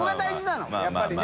やっぱりね。